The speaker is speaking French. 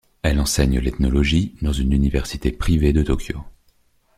Elle enseigne l'ethnologie dans une université privée de Tokyo.